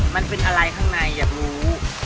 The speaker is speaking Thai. มันเป็นอะไรข้างในอยากรู้